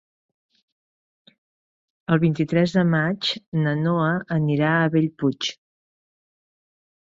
El vint-i-tres de maig na Noa anirà a Bellpuig.